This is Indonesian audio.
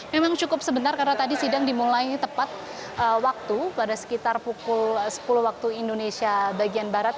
memang cukup sebentar karena tadi sidang dimulai tepat waktu pada sekitar pukul sepuluh waktu indonesia bagian barat